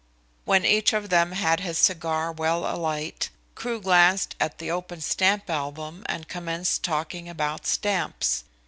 When each of them had his cigar well alight, Crewe glanced at the open stamp album and commenced talking about stamps.